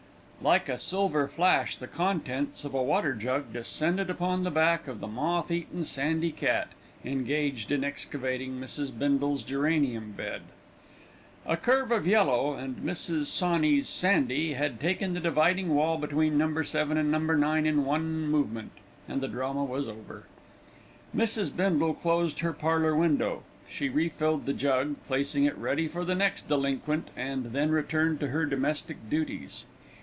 Like a silver flash, the contents of a water jug descended upon the back of the moth eaten sandy cat, engaged in excavating Mrs. Bindle's geranium bed. A curve of yellow, and Mrs. Sawney's "Sandy" had taken the dividing wall between No. 7 and No. 9 in one movement and the drama was over. Mrs. Bindle closed her parlour window. She refilled the jug, placing it ready for the next delinquent and then returned to her domestic duties.